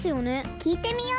きいてみよう。